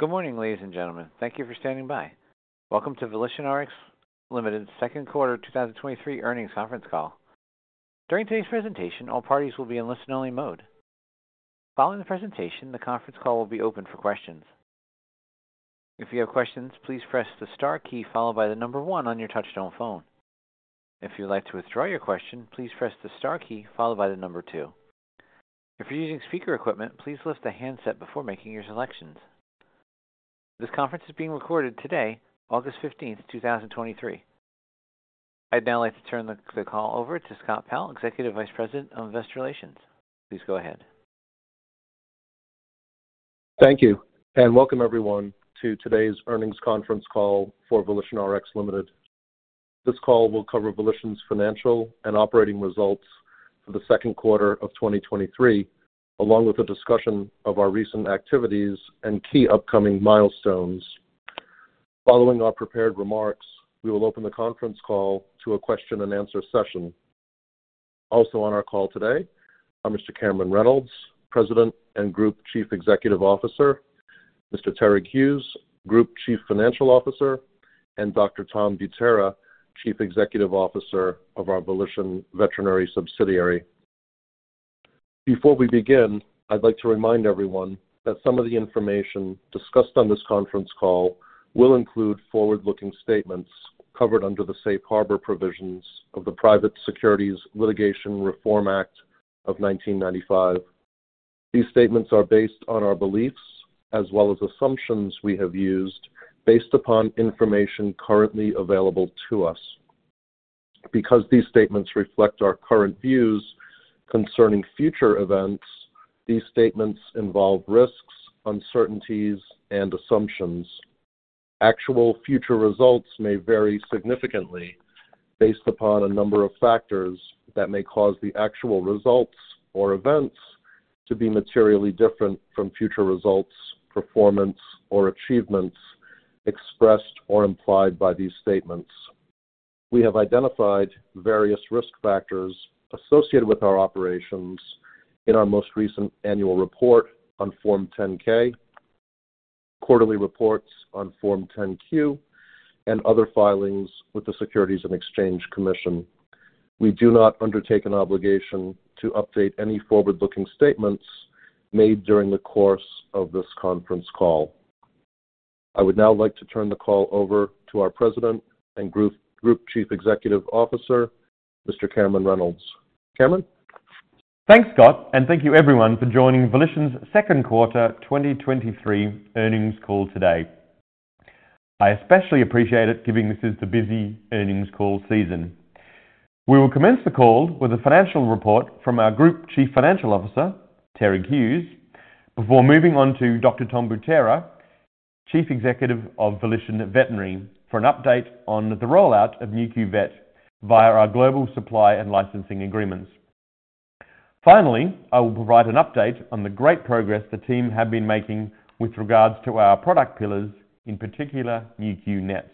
Good morning, ladies and gentlemen. Thank you for standing by. Welcome to VolitionRx Limited's second quarter 2023 earnings conference call. During today's presentation, all parties will be in listen-only mode. Following the presentation, the conference call will be open for questions. If you have questions, please press the star key followed by the number one on your touchtone phone. If you'd like to withdraw your question, please press the star key followed by the number two. If you're using speaker equipment, please lift the handset before making your selections. This conference is being recorded today, August fifteenth, two thousand and twenty-three. I'd now like to turn the call over to Scott Powell, Executive Vice President of Investor Relations. Please go ahead. Thank you, welcome everyone to today's earnings conference call for VolitionRx Limited. This call will cover Volition's financial and operating results for the second quarter of 2023, along with a discussion of our recent activities and key upcoming milestones. Following our prepared remarks, we will open the conference call to a question and answer session. Also on our call today are Mr. Cameron Reynolds, President and Group Chief Executive Officer, Mr. Terig Hughes, Group Chief Financial Officer, and Dr. Tom Butera, Chief Executive Officer of our Volition Veterinary Subsidiary. Before we begin, I'd like to remind everyone that some of the information discussed on this conference call will include forward-looking statements covered under the safe harbor provisions of the Private Securities Litigation Reform Act of 1995. These statements are based on our beliefs as well as assumptions we have used, based upon information currently available to us. Because these statements reflect our current views concerning future events, these statements involve risks, uncertainties, and assumptions. Actual future results may vary significantly based upon a number of factors that may cause the actual results or events to be materially different from future results, performance, or achievements expressed or implied by these statements. We have identified various risk factors associated with our operations in our most recent annual report on Form 10-K, quarterly reports on Form 10-Q, and other filings with the Securities and Exchange Commission. We do not undertake an obligation to update any forward-looking statements made during the course of this conference call. I would now like to turn the call over to our President and Group Chief Executive Officer, Mr. Cameron Reynolds. Cameron? Thanks, Scott, and thank you everyone for joining Volition's second quarter 2023 earnings call today. I especially appreciate it, giving this is the busy earnings call season. We will commence the call with a financial report from our Group Chief Financial Officer, Terig Hughes, before moving on to Dr. Tom Butera, Chief Executive of Volition Veterinary, for an update on the rollout of Nu.Q Vet via our global supply and licensing agreements. Finally, I will provide an update on the great progress the team have been making with regards to our product pillars, in particular, Nu.Q NETs.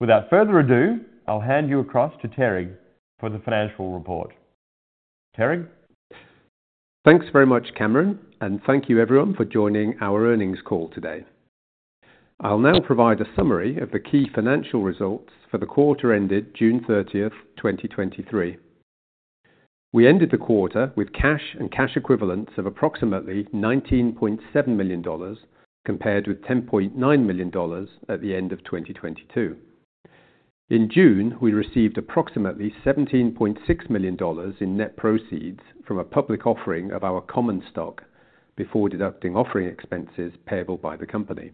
Without further ado, I'll hand you across to Terig for the financial report. Terig? Thanks very much, Cameron, and thank you everyone for joining our earnings call today. I'll now provide a summary of the key financial results for the quarter ended June 30, 2023. We ended the quarter with cash and cash equivalents of approximately $19.7 million, compared with $10.9 million at the end of 2022. In June, we received approximately $17.6 million in net proceeds from a public offering of our common stock before deducting offering expenses payable by the company.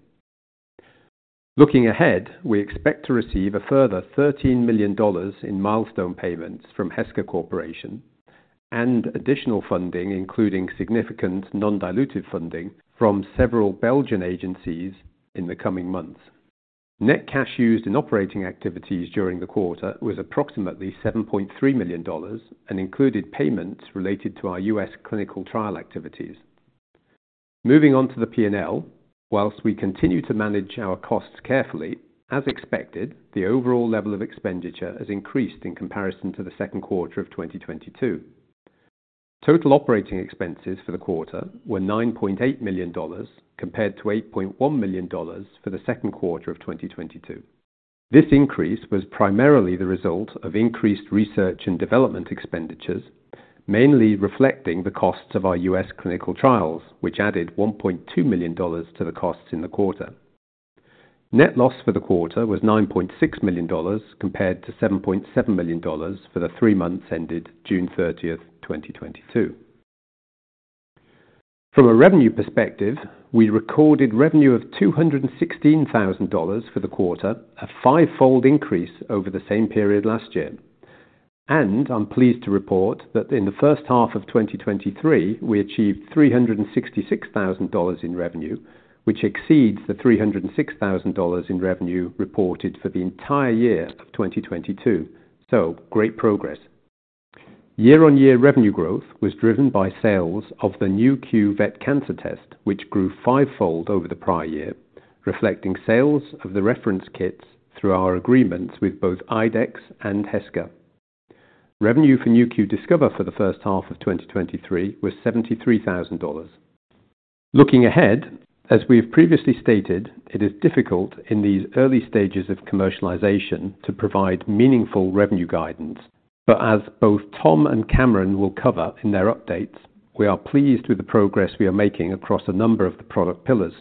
Looking ahead, we expect to receive a further $13 million in milestone payments from Heska Corporation and additional funding, including significant non-dilutive funding from several Belgian agencies in the coming months. Net cash used in operating activities during the quarter was approximately $7.3 million and included payments related to our US clinical trial activities. Moving on to the P&L, whilst we continue to manage our costs carefully, as expected, the overall level of expenditure has increased in comparison to the second quarter of 2022. Total operating expenses for the quarter were $9.8 million, compared to $8.1 million for the second quarter of 2022. This increase was primarily the result of increased research and development expenditures, mainly reflecting the costs of our U.S. clinical trials, which added $1.2 million to the costs in the quarter. Net loss for the quarter was $9.6 million, compared to $7.7 million for the three months ended June 30th, 2022. From a revenue perspective, we recorded revenue of $216,000 for the quarter, a fivefold increase over the same period last year. I'm pleased to report that in the first half of 2023, we achieved $366,000 in revenue, which exceeds the $306,000 in revenue reported for the entire year of 2022. Great progress. Year-on-year revenue growth was driven by sales of the Nu.Q Vet Cancer Test, which grew fivefold over the prior year, reflecting sales of the reference kits through our agreements with both IDEXX and Heska.... Revenue for Nu.Q Discover for the first half of 2023 was $73,000. Looking ahead, as we have previously stated, it is difficult in these early stages of commercialization to provide meaningful revenue guidance. As both Tom and Cameron will cover in their updates, we are pleased with the progress we are making across a number of the product pillars.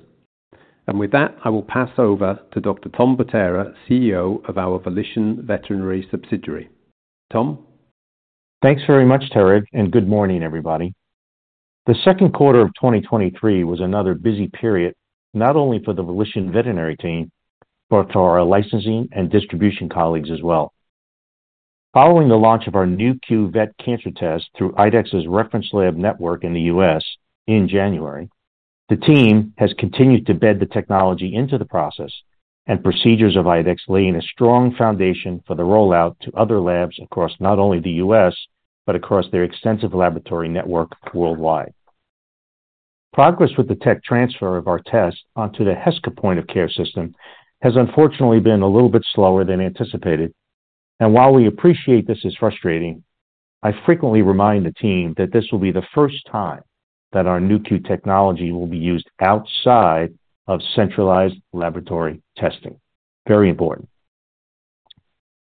With that, I will pass over to Dr. Tom Butera, CEO of our Volition Veterinary Subsidiary. Tom? Thanks very much, Terig, good morning, everybody. The second quarter of 2023 was another busy period, not only for the Volition Veterinary team, but for our licensing and distribution colleagues as well. Following the launch of our Nu.Q Vet Cancer Test through IDEXX's Reference Lab network in the U.S. in January, the team has continued to bed the technology into the process, and procedures of IDEXX laying a strong foundation for the rollout to other labs across not only the U.S., but across their extensive laboratory network worldwide. Progress with the tech transfer of our test onto the Heska point-of-care system has unfortunately been a little bit slower than anticipated. While we appreciate this is frustrating, I frequently remind the team that this will be the first time that our Nu.Q technology will be used outside of centralized laboratory testing. Very important.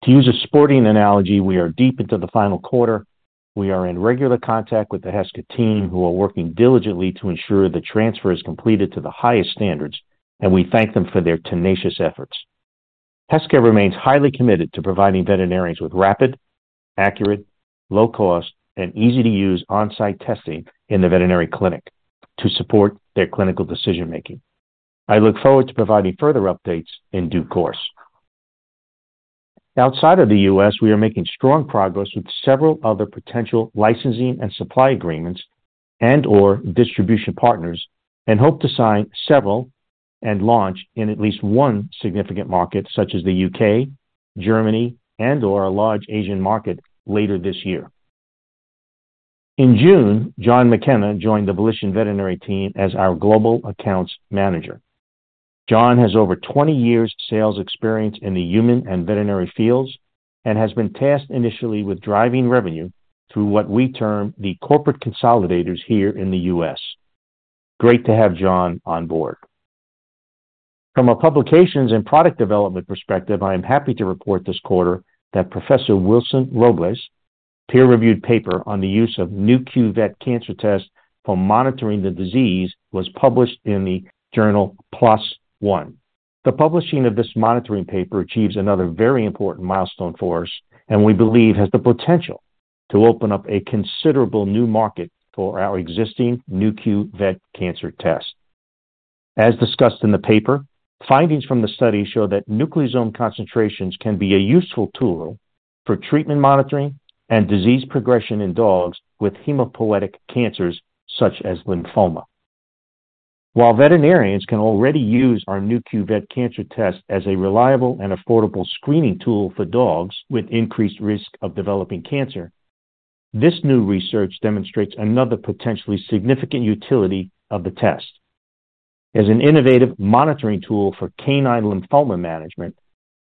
To use a sporting analogy, we are deep into the final quarter. We are in regular contact with the Heska team, who are working diligently to ensure the transfer is completed to the highest standards. We thank them for their tenacious efforts. Heska remains highly committed to providing veterinarians with rapid, accurate, low-cost, and easy-to-use on-site testing in the veterinary clinic to support their clinical decision-making. I look forward to providing further updates in due course. Outside of the US, we are making strong progress with several other potential licensing and supply agreements and/or distribution partners. Hope to sign several and launch in at least one significant market, such as the UK, Germany, and/or a large Asian market later this year. In June, John McKenna joined the Volition Veterinary team as our Global Accounts Manager. John has over 20 years sales experience in the human and veterinary fields and has been tasked initially with driving revenue through what we term the corporate consolidators here in the US. Great to have John on board. From a publications and product development perspective, I am happy to report this quarter that Professor Wilson Robles' peer-reviewed paper on the use of Nu.Q Vet Cancer Test for monitoring the disease was published in the journal PLOS ONE. The publishing of this monitoring paper achieves another very important milestone for us and we believe has the potential to open up a considerable new market for our existing Nu.Q Vet Cancer Test. As discussed in the paper, findings from the study show that nucleosome concentrations can be a useful tool for treatment monitoring and disease progression in dogs with hematopoietic cancers, such as lymphoma. While veterinarians can already use our Nu.Q Vet Cancer Test as a reliable and affordable screening tool for dogs with increased risk of developing cancer, this new research demonstrates another potentially significant utility of the test. As an innovative monitoring tool for canine lymphoma management,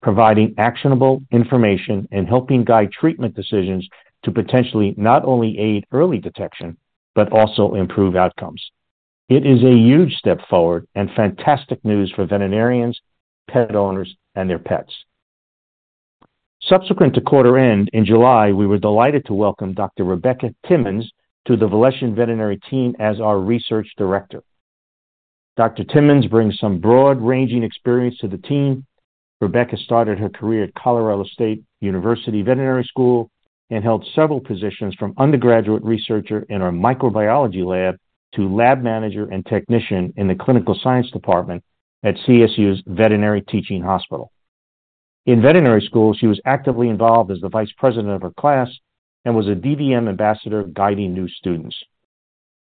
providing actionable information and helping guide treatment decisions to potentially not only aid early detection, but also improve outcomes. It is a huge step forward and fantastic news for veterinarians, pet owners, and their pets. Subsequent to quarter end in July, we were delighted to welcome Dr. Rebecca Timmons to the Volition Veterinary team as our research director. Dr. Timmons brings some broad ranging experience to the team. Rebecca started her career at Colorado State University Veterinary School and held several positions from undergraduate researcher in our microbiology lab to lab manager and technician in the clinical science department at CSU's Veterinary Teaching Hospital. In veterinary school, she was actively involved as the vice president of her class and was a DVM ambassador, guiding new students.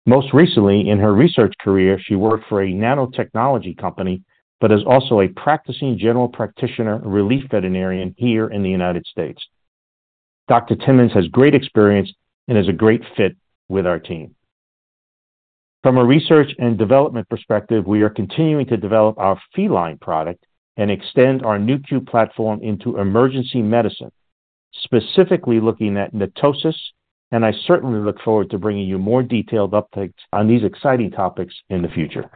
Most recently, in her research career, she worked for a nanotechnology company but is also a practicing general practitioner relief veterinarian here in the United States. Dr. Timmons has great experience and is a great fit with our team. From a research and development perspective, we are continuing to develop our feline product and extend our Nu.Q platform into emergency medicine, specifically looking at NETosis. I certainly look forward to bringing you more detailed updates on these exciting topics in the future.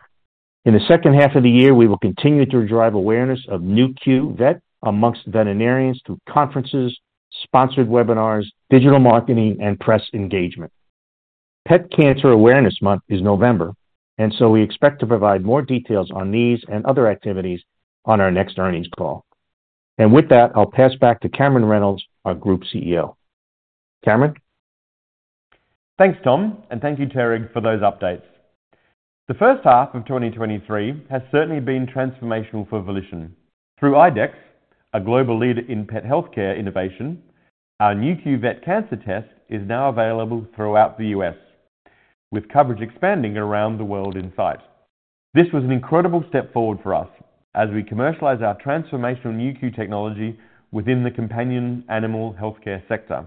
In the second half of the year, we will continue to drive awareness of Nu.Q Vet amongst veterinarians through conferences, sponsored webinars, digital marketing, and press engagement. Pet Cancer Awareness Month is November, and so we expect to provide more details on these and other activities on our next earnings call. With that, I'll pass back to Cameron Reynolds, our Group CEO. Cameron? Thanks, Tom, and thank you, Terig, for those updates. The first half of 2023 has certainly been transformational for Volition. Through IDEXX, a global leader in pet healthcare innovation, our Nu.Q Vet Cancer Test is now available throughout the U.S., with coverage expanding around the world in sight. This was an incredible step forward for us as we commercialize our transformational Nu.Q technology within the companion animal healthcare sector.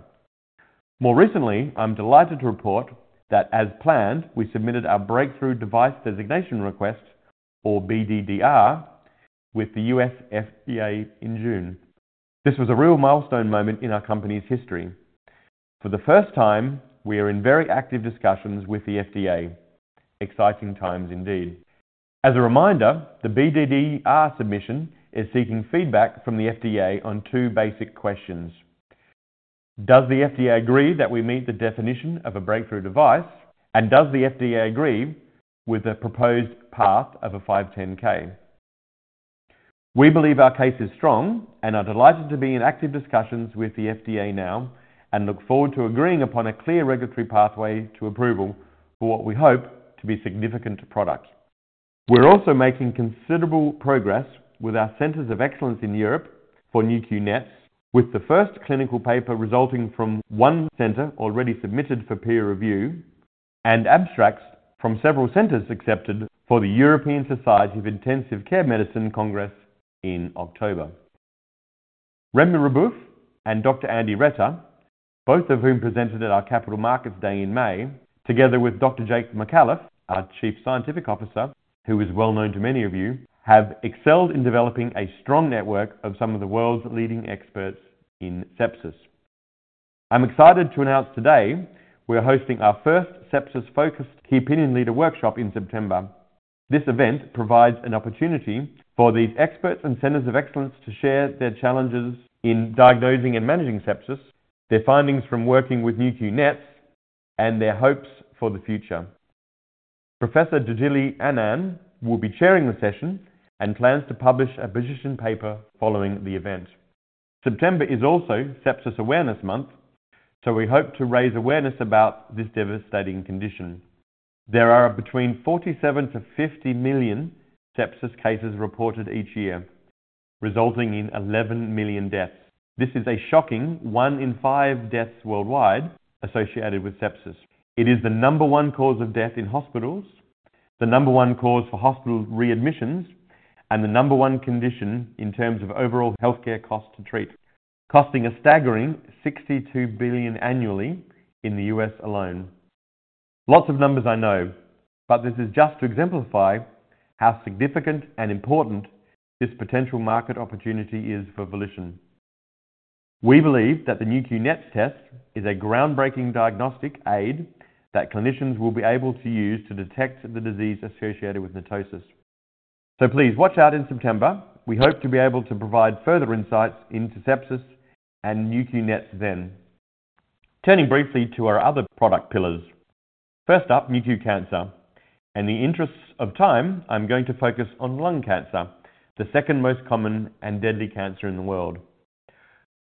More recently, I'm delighted to report that, as planned, we submitted our Breakthrough Device Designation Request, or BDDR-... with the U.S. FDA in June. This was a real milestone moment in our company's history. For the first time, we are in very active discussions with the FDA. Exciting times indeed. As a reminder, the BDDR submission is seeking feedback from the FDA on two basic questions: Does the FDA agree that we meet the definition of a breakthrough device, and does the FDA agree with the proposed path of a 510(k)? We believe our case is strong and are delighted to be in active discussions with the FDA now, and look forward to agreeing upon a clear regulatory pathway to approval for what we hope to be significant products. We're also making considerable progress with our Centers of Excellence in Europe for Nu.Q NETs, with the first clinical paper resulting from one center already submitted for peer review, and abstracts from several centers accepted for the European Society of Intensive Care Medicine Congress in October. Remi Rabeuf and Dr. Andy Retter, both of whom presented at our Capital Markets Day in May, together with Dr. Jake Micallef our Chief Scientific Officer, who is well known to many of you, have excelled in developing a strong network of some of the world's leading experts in sepsis. I'm excited to announce today, we are hosting our first sepsis-focused Key Opinion Leader workshop in September. This event provides an opportunity for these experts and Centers of Excellence to share their challenges in diagnosing and managing sepsis, their findings from working with Nu.Q NETs, and their hopes for the future. Professor Djillali Annane will be chairing the session and plans to publish a position paper following the event. September is also Sepsis Awareness Month, we hope to raise awareness about this devastating condition. There are between 47 million-50 million sepsis cases reported each year, resulting in 11 million deaths. This is a shocking one in five deaths worldwide associated with sepsis. It is the number one cause of death in hospitals, the number one cause for hospital readmissions, and the number one condition in terms of overall healthcare costs to treat, costing a staggering $62 billion annually in the U.S. alone. This is just to exemplify how significant and important this potential market opportunity is for Volition. We believe that the Nu.Q NETs test is a groundbreaking diagnostic aid that clinicians will be able to use to detect the disease associated with NETosis. Please watch out in September. We hope to be able to provide further insights into sepsis and Nu.Q NETs then. Turning briefly to our other product pillars. First up, Nu.Q Cancer. In the interests of time, I'm going to focus on lung cancer, the second most common and deadly cancer in the world.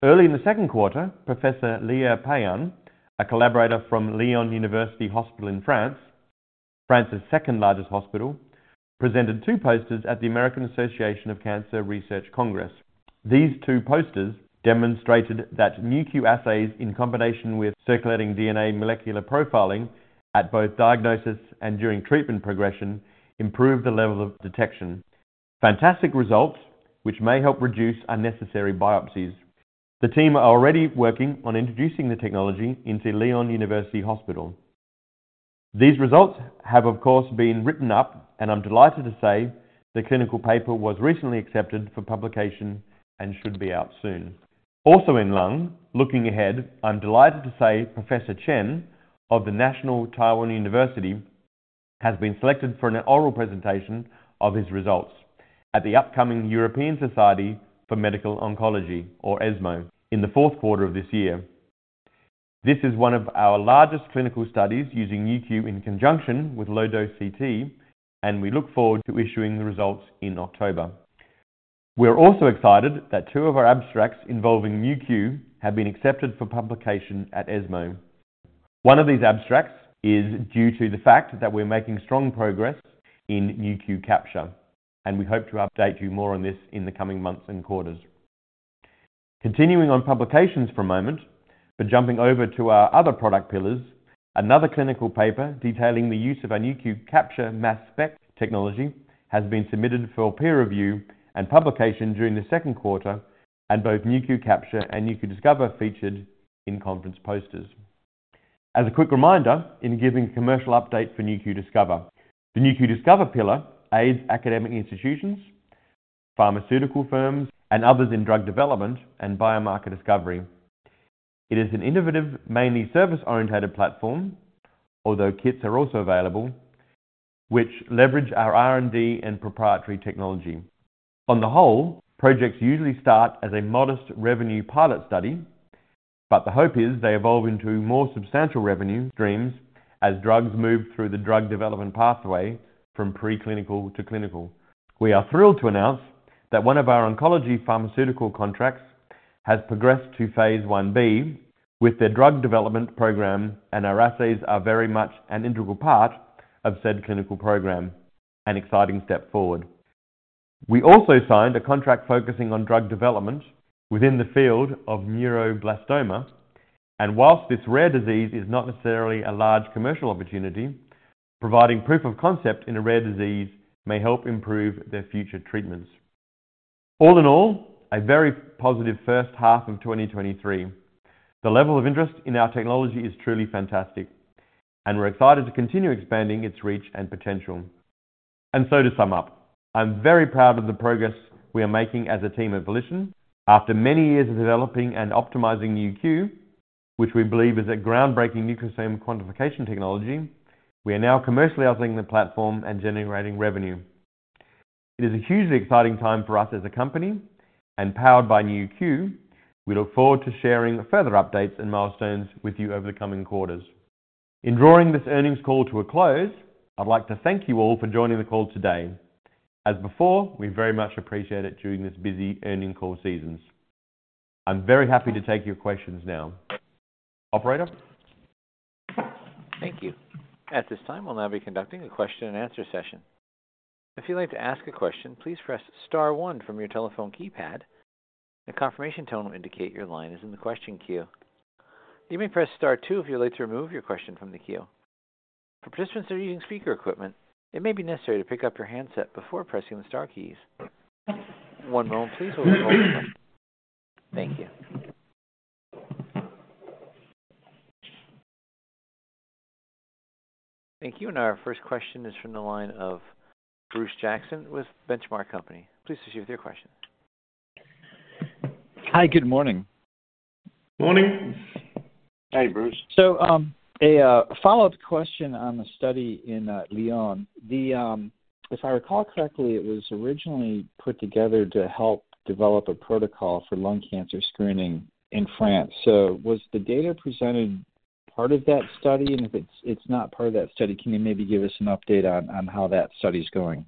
Early in the second quarter, Professor Lea Payen, a collaborator from Lyon University Hospital in France, France's second-largest hospital, presented 2 posters at the American Association for Cancer Research Congress. These 2 posters demonstrated that Nu.Q assays, in combination with circulating DNA molecular profiling at both diagnosis and during treatment progression, improve the level of detection. Fantastic results, which may help reduce unnecessary biopsies. The team are already working on introducing the technology into Lyon University Hospital. These results have, of course, been written up, and I'm delighted to say the clinical paper was recently accepted for publication and should be out soon. Also in lung, looking ahead, I'm delighted to say Professor Chen of the National Taiwan University, has been selected for an oral presentation of his results at the upcoming European Society for Medical Oncology, or ESMO, in the fourth quarter of this year. This is one of our largest clinical studies using Nu.Q in conjunction with low-dose CT. We look forward to issuing the results in October. We are also excited that two of our abstracts involving Nu.Q have been accepted for publication at ESMO. One of these abstracts is due to the fact that we're making strong progress in Nu.Q Capture. We hope to update you more on this in the coming months and quarters. Continuing on publications for a moment, jumping over to our other product pillars, another clinical paper detailing the use of our Nu.Q Capture mass spectrometry technology has been submitted for peer review and publication during the second quarter. Both Nu.Q Capture and Nu.Q Discover featured in conference posters. As a quick reminder in giving a commercial update for Nu.Q Discover. The Nu.Q Discover pillar aids academic institutions, pharmaceutical firms, and others in drug development and biomarker discovery. It is an innovative, mainly service-orientated platform, although kits are also available, which leverage our R&D and proprietary technology. On the whole, projects usually start as a modest revenue pilot study, but the hope is they evolve into more substantial revenue streams as drugs move through the drug development pathway from preclinical to clinical. We are thrilled to announce that one of our oncology pharmaceutical contracts has progressed to Phase Ib with their drug development program. Our assays are very much an integral part of said clinical program, an exciting step forward. We also signed a contract focusing on drug development within the field of neuroblastoma, and whilst this rare disease is not necessarily a large commercial opportunity, providing proof of concept in a rare disease may help improve their future treatments. All in all, a very positive first half of 2023. The level of interest in our technology is truly fantastic. We're excited to continue expanding its reach and potential. To sum up, I'm very proud of the progress we are making as a team at Volition. After many years of developing and optimizing Nu.Q, which we believe is a groundbreaking nucleosome quantification technology, we are now commercially offering the platform and generating revenue. It is a hugely exciting time for us as a company, and powered by Nu.Q, we look forward to sharing further updates and milestones with you over the coming quarters. In drawing this earnings call to a close, I'd like to thank you all for joining the call today. As before, we very much appreciate it during this busy earnings call seasons. I'm very happy to take your questions now. Operator? Thank you. At this time, we'll now be conducting a question and answer session. If you'd like to ask a question, please press star 1 from your telephone keypad. A confirmation tone will indicate your line is in the question queue. You may press star 2 if you'd like to remove your question from the queue. For participants that are using speaker equipment, it may be necessary to pick up your handset before pressing the star keys. One moment, please. Thank you. Thank you. Our first question is from the line of Bruce Jackson with Benchmark Company. Please proceed with your question. Hi. Good morning. Morning. Hi, Bruce. A follow-up question on the study in Lyon. The, if I recall correctly, it was originally put together to help develop a protocol for lung cancer screening in France. Was the data presented part of that study? If it's, it's not part of that study, can you maybe give us some update on how that study is going?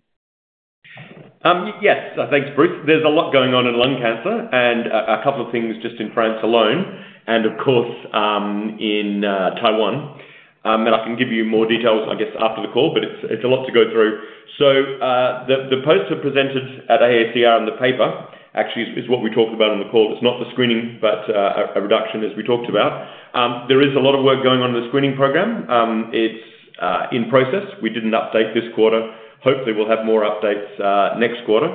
Yes. Thanks, Bruce. There's a lot going on in lung cancer and a couple of things just in France alone and, of course, in Taiwan. I can give you more details, I guess, after the call, but it's a lot to go through. The poster presented at AACR in the paper actually is what we talked about on the call. It's not the screening, but a reduction as we talked about. There is a lot of work going on in the screening program. It's in process. We did an update this quarter. Hopefully, we'll have more updates next quarter.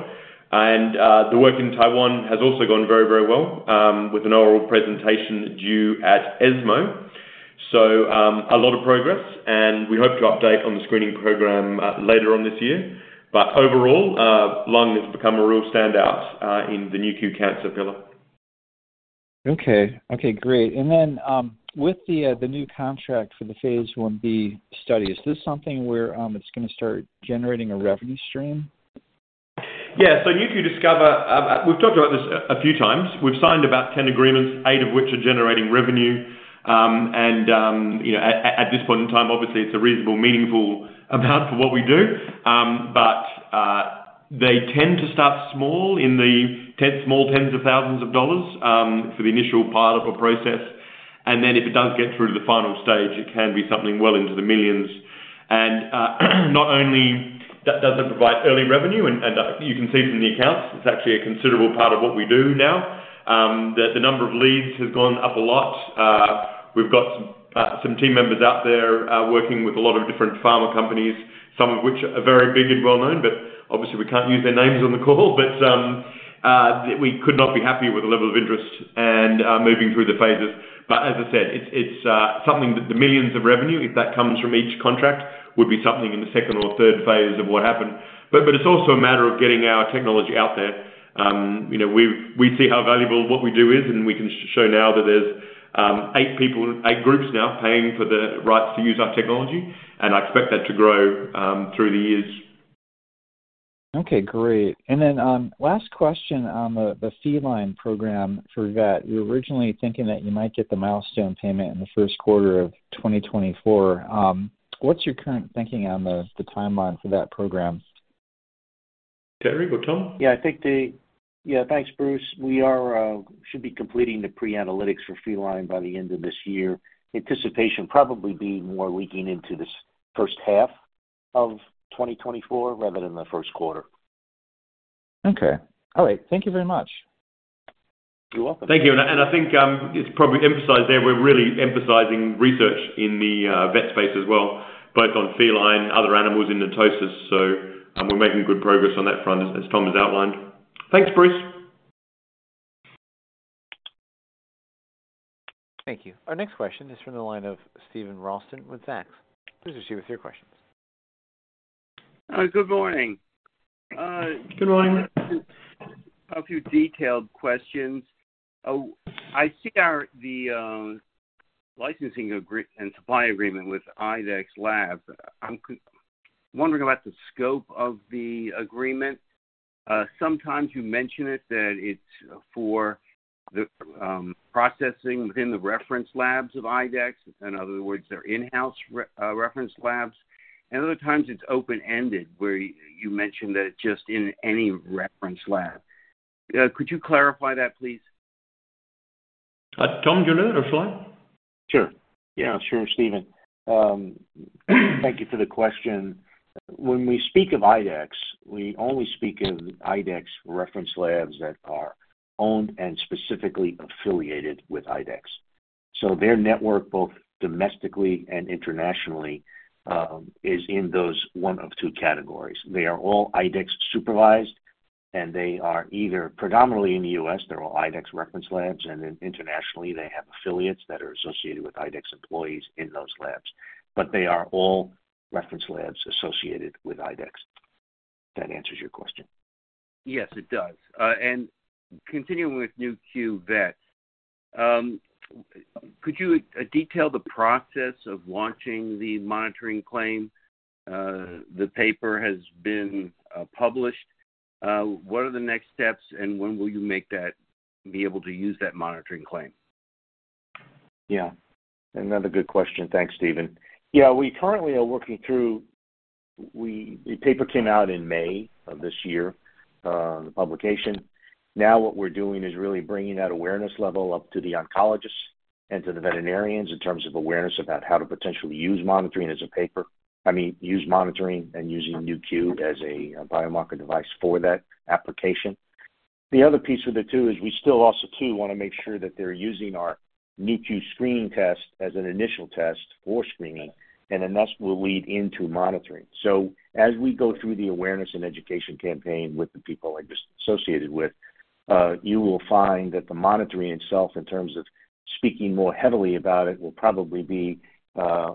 The work in Taiwan has also gone very, very well with an oral presentation due at ESMO. A lot of progress, and we hope to update on the screening program, later on this year. Overall, lung has become a real standout, in the Nu.Q Cancer pillar. Okay. Okay, great. Then, with the new contract for the Phase Ib study, is this something where it's gonna start generating a revenue stream? Yeah. Nu.Q Discover, we've talked about this a few times. We've signed about 10 agreements, 8 of which are generating revenue. You know, at this point in time, obviously, it's a reasonable, meaningful amount for what we do. But they tend to start small in the 10 small tens of thousands of dollars for the initial part of a process. Then if it does get through to the final stage, it can be something well into the $ millions. Not only does that provide early revenue, and you can see from the accounts, it's actually a considerable part of what we do now. The number of leads has gone up a lot. We've got some team members out there working with a lot of different pharma companies, some of which are very big and well-known, obviously, we can't use their names on the call. We could not be happier with the level of interest and moving through the phases. As I said, it's, it's something that the $ millions of revenue, if that comes from each contract, would be something in the second or third phase of what happened. It's also a matter of getting our technology out there. You know, we, we see how valuable what we do is, and we can show now that there's eight people, eight groups now paying for the rights to use our technology, and I expect that to grow through the years. Okay, great. Then, last question on the, the feline program for vet. You're originally thinking that you might get the milestone payment in the first quarter of 2024. What's your current thinking on the, the timeline for that program? Terig, go Tom. Yeah, thanks, Bruce. We are should be completing the pre-analytics for feline by the end of this year. Anticipation probably be more leaking into this first half of 2024 rather than the first quarter. Okay. All right. Thank you very much. You're welcome. Thank you. I think, it's probably emphasized there, we're really emphasizing research in the, vet space as well, both on feline, other animals in NETosis. We're making good progress on that front, as, as Tom has outlined. Thanks, Bruce. Thank you. Our next question is from the line of Steven Ralston with Zacks. Please proceed with your questions. Good morning. Good morning. A few detailed questions. I see our, the, licensing agree- and supply agreement with IDEXX Laboratories. I'm wondering about the scope of the agreement. Sometimes you mention it, that it's for the, processing within the reference labs of IDEXX. In other words, their in-house reference labs, and other times it's open-ended, where you mention that it's just in any reference lab. Could you clarify that, please? Tom Butera, slide. Sure. Yeah, sure, Steven. Thank you for the question. When we speak of IDEXX, we only speak of IDEXX reference labs that are owned and specifically affiliated with IDEXX. Their network, both domestically and internationally, is in those one of two categories. They are all IDEXX supervised. They are either predominantly in the US, they're all IDEXX reference labs, and then internationally, they have affiliates that are associated with IDEXX employees in those labs. They are all reference labs associated with IDEXX. If that answers your question? Yes, it does. Continuing with Nu.Q Vet, could you detail the process of launching the monitoring claim? The paper has been published. What are the next steps, and when will you make that, be able to use that monitoring claim? Yeah, another good question. Thanks, Steven. Yeah, we currently are working through the paper came out in May of this year, the publication. Now, what we're doing is really bringing that awareness level up to the oncologists and to the veterinarians in terms of awareness about how to potentially use monitoring as a paper. I mean, use monitoring and using Nu.Q as a biomarker device for that application. The other piece of it, too, is we still also, too, want to make sure that they're using our Nu.Q screening test as an initial test for screening, and then thus will lead into monitoring. As we go through the awareness and education campaign with the people I just associated with, you will find that the monitoring itself, in terms of speaking more heavily about it, will probably be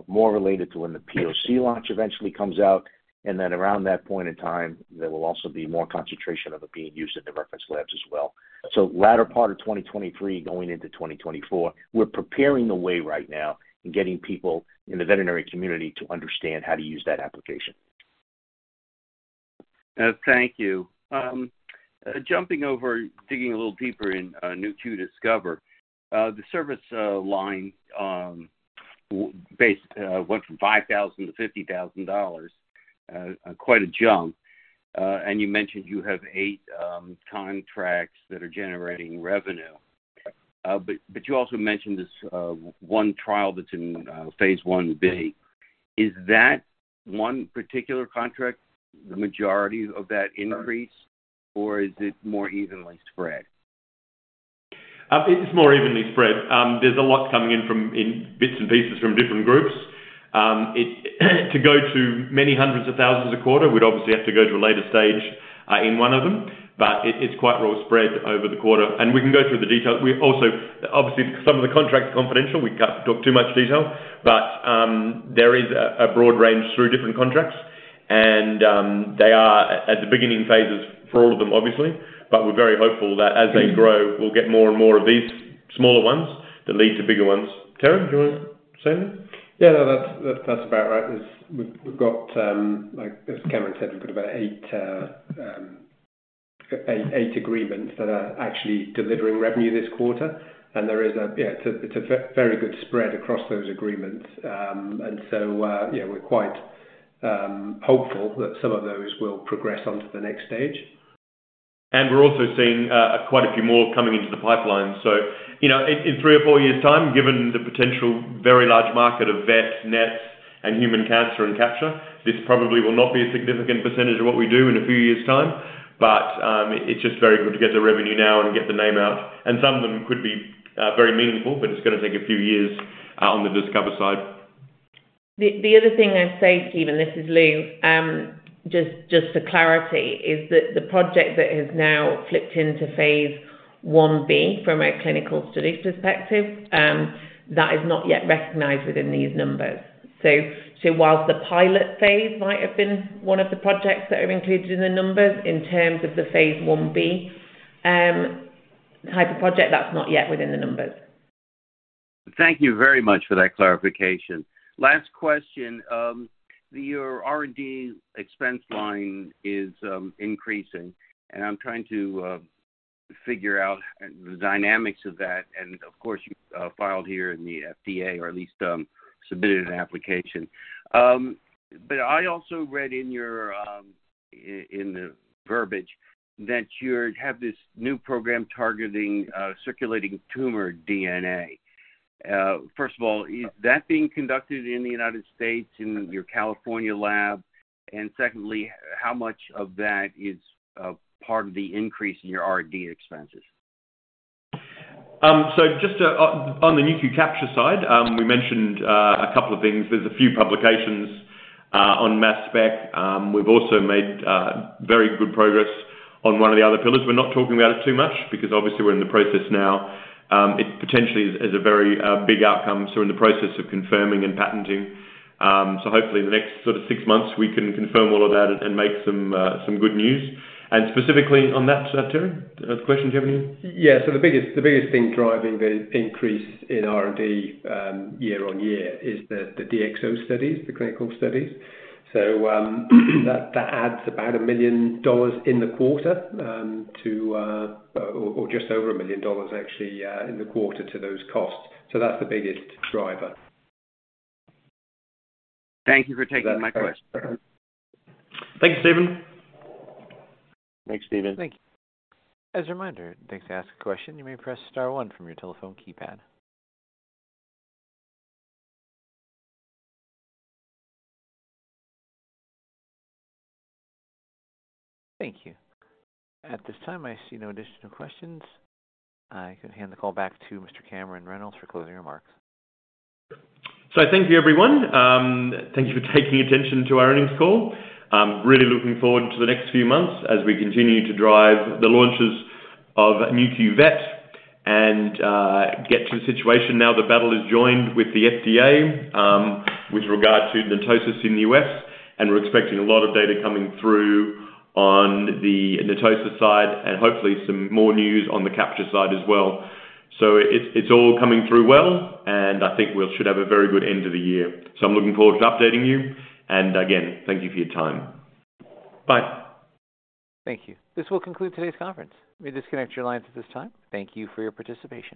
more related to when the POC launch eventually comes out, and then around that point in time, there will also be more concentration of it being used in the reference labs as well. Latter part of 2023, going into 2024, we're preparing the way right now and getting people in the veterinary community to understand how to use that application. Thank you. Jumping over, digging a little deeper in Nu.Q Discover, the service line, based, went from $5,000 to $50,000, quite a jump. You mentioned you have eight contracts that are generating revenue. You also mentioned this one trial that's in phase Ib. Is that one particular contract, the majority of that increase, or is it more evenly spread? It's more evenly spread. There's a lot coming in from, in bits and pieces from different groups. To go to many hundreds of thousands a quarter, we'd obviously have to go to a later stage in one of them, but it's quite well spread over the quarter, and we can go through the details. We also, obviously, some of the contract is confidential. We can't talk too much detail, but there is a broad range through different contracts, and they are at the beginning phases for all of them, obviously. We're very hopeful that as they grow, we'll get more and more of these smaller ones that lead to bigger ones. Terig, do you want to say anything? Yeah, no, that's, that's about right. We've, we've got, like, as Cameron said, we've got about 8, 8 agreements that are actually delivering revenue this quarter. There is a, yeah, it's a very good spread across those agreements. Yeah, we're quite hopeful that some of those will progress on to the next stage. We're also seeing, quite a few more coming into the pipeline. You know, in, in 3 or 4 years' time, given the potential very large market of vet, NETs, and human cancer and Capture, this probably will not be a significant percentage of what we do in a few years' time, but, it's just very good to get the revenue now and get the name out. Some of them could be, very meaningful, but it's gonna take a few years, on the Discover side. The other thing I'd say, Steven, this is Lou. For clarity, is that the project that has now flipped into phase Ib from a clinical studies perspective, that is not yet recognized within these numbers. Whilst the pilot phase might have been one of the projects that are included in the numbers, in terms of the phase Ib hyper project, that's not yet within the numbers. Thank you very much for that clarification. Last question. Your R&D expense line is increasing, and I'm trying to figure out the dynamics of that. Of course, you filed here in the FDA or at least submitted an application. I also read in your in the verbiage that you have this new program targeting circulating tumor DNA. First of all, is that being conducted in the United States, in your California lab? Secondly, how much of that is part of the increase in your R&D expenses? Just to on the Nu.Q Capture side, we mentioned a couple of things. There's a few publications on mass spectrometry. We've also made very good progress on one of the other pillars. We're not talking about it too much because obviously we're in the process now. It potentially is a very big outcome, so we're in the process of confirming and patenting. Hopefully, the next sort of 6 months, we can confirm all of that and make some good news. Specifically on that, Terig, the question, do you have any? Yeah. The biggest, the biggest thing driving the increase in R&D, year-over-year is the DXO studies, the clinical studies. That adds about $1 million in the quarter, to, or just over $1 million actually, in the quarter to those costs. That's the biggest driver. Thank you for taking my question. Thanks, Steven. Thanks, Steven. Thank you. As a reminder, to ask a question, you may press star one from your telephone keypad. Thank you. At this time, I see no additional questions. I could hand the call back to Mr. Cameron Reynolds for closing remarks. Thank you, everyone. Thank you for taking attention to our earnings call. I'm really looking forward to the next few months as we continue to drive the launches of Nu.Q Vet and get to a situation now the battle is joined with the FDA with regard to NETosis in the U.S., and we're expecting a lot of data coming through on the NETosis side and hopefully some more news on the Capture side as well. It's, it's all coming through well, and I think we should have a very good end of the year. I'm looking forward to updating you. Again, thank you for your time. Bye. Thank you. This will conclude today's conference. You may disconnect your lines at this time. Thank you for your participation.